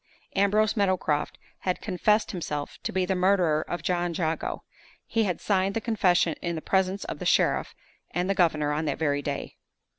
Ambrose Meadowcroft had confessed himself to be the murderer of John Jago! He had signed the confession in the presence of the sheriff and the governor on that very day.